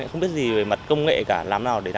không biết gì về mặt công nghệ cả làm nào để làm ra